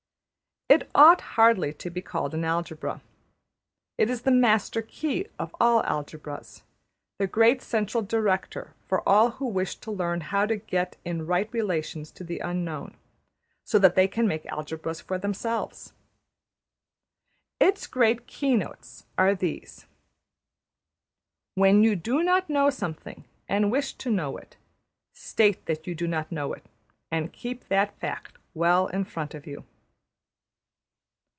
It ought hardly to be called an algebra: it is the master key of all algebras, the great central director for all who wish to learn how to get into right relations to the unknown, so that they can make algebras for themselves. Its great keynotes are these: When you do not know something, and wish to know it, state that you do not know it, and keep that fact well in front of you.